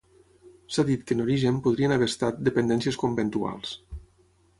S'ha dit que en origen podrien haver estat dependències conventuals.